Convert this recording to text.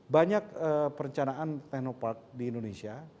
banyak perencanaan teknopark di indonesia